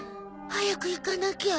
早く行かなきゃ。